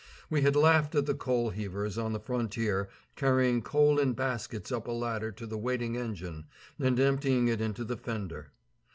We had laughed at the coal heavers on the frontier carrying coal in baskets up a ladder to the waiting engine and emptying it into the fender.